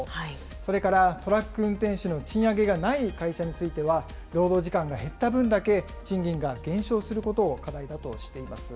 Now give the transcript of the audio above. それから、トラック運転手の賃上げがない会社については、労働時間が減った分だけ賃金が減少することを次のように課題だとしています。